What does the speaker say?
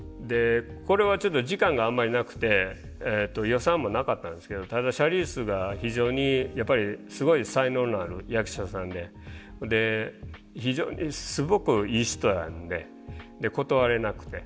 これはちょっと時間があんまりなくて予算もなかったんですけどただシャーリーズが非常にやっぱりすごい才能のある役者さんで非常にすごくいい人なので断れなくて。